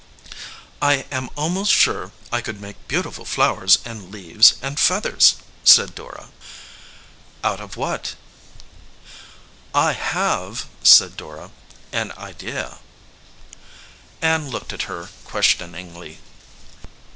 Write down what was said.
"I am almost sure I could make beautiful flow ers and leaves and feathers," said Dora. 80 VALUE RECEIVED "Out of what?" "I have," said Dora, "an idea." Ann looked at her questioningly.